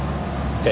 ええ？